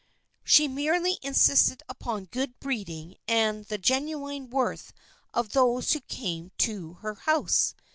She merely insisted upon good breeding and the genuine worth of those who came to her house.